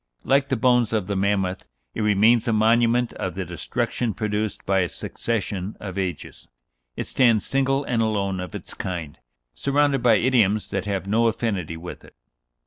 Like the bones of the mammoth, it remains a monument of the destruction produced by a succession of ages. It stands single and alone of its kind, surrounded by idioms that have no affinity with it."